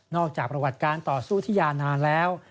จากประวัติการต่อสู้ที่ยาวนานแล้ว